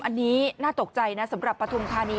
อันนี้น่าตกใจนะสำหรับปฐุมธานี